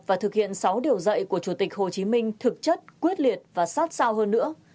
và thực hiện sáu điều dạy của chủ tịch hồ chí minh thực chất quyết liệt và sát sao hơn nữa